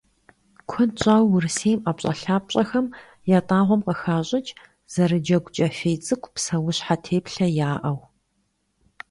Куэд щӀауэ Урысейм ӀэпщӀэлъапщӀэхэм ятӀагъуэм къыщыхащӀыкӀ зэрыджэгу, кӀэфий цӀыкӀу, псэущхьэ теплъэяӀэу.